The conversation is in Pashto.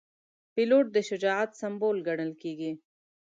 پیلوټ د شجاعت سمبول ګڼل کېږي.